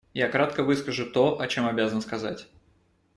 Я кратко выскажу то, о чем обязан сказать.